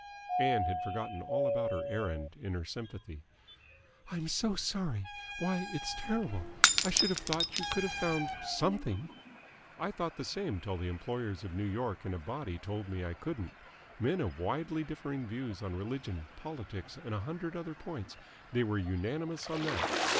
Ann had forgotten all about her errand in her sympathy. "I'm so sorry. Why, it's terrible! I should have thought you could have found something." "I thought the same till the employers of New York in a body told me I couldn't. Men of widely differing views on religion, politics, and a hundred other points, they were unanimous on that.